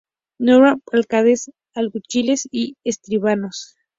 Nombraba alcaldes, alguaciles y escribanos.